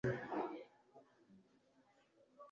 Kuramukanya uramukanya Waramutse